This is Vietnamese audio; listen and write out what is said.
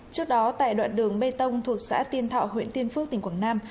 trước đó tại đoạn đường bê tông thuộc xã tiên thọ huyện tiên phước tỉnh quảng nam